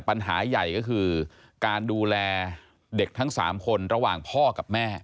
ปัญหาใหญ่ก็คือการดูแลเด็กทั้ง๓คนระหว่างพ่อกับแม่